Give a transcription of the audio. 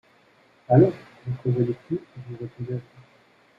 Allons ! vous prévoyez tout et vous répondez à tout.